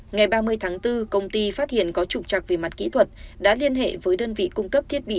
ngày ba mươi tháng bốn công ty phát hiện có trục trặc về mặt kỹ thuật đã liên hệ với đơn vị cung cấp thiết bị